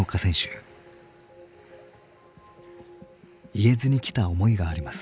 言えずにきた思いがあります。